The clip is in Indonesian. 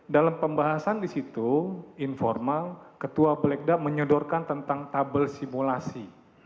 dalam pembahasan di situ informal ketua bleckda menyodorkan tentang tabel simulasi